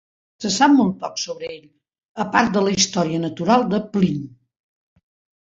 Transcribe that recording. Se sap molt poc sobre ell, a part de la "Història natural de Pliny".